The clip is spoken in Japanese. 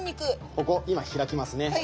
ここ今開きますね。